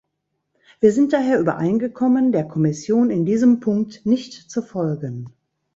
Wir sind daher übereingekommen, der Kommission in diesem Punkt nicht zu folgen.